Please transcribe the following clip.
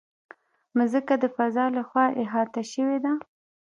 مځکه د فضا له خوا احاطه شوې ده.